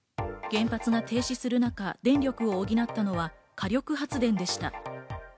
原発が停止する中、電力を補ったのは火力発電でした。